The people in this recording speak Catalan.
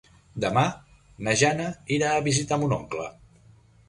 Demà na Jana irà a visitar mon oncle.